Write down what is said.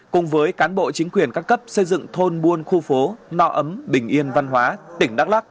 cùng với cán bộ chính quyền các cấp xây dựng thôn buôn khu phố no ấm bình yên văn hóa tỉnh đắk lắc